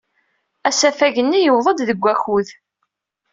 Asafag-nni yuweḍ-d deg wakud.